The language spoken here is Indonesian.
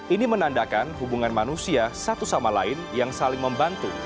ini menandakan hubungan manusia satu sama lain yang saling membantu